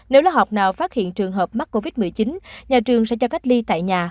nếu lớp học nào phát hiện trường hợp mắc covid một mươi chín nhà trường sẽ cho cách ly tại nhà